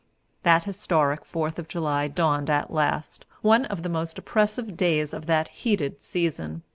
That historic Fourth of July dawned at last, one of the most oppressive days of that heated season.